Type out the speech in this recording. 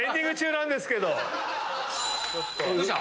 どうした？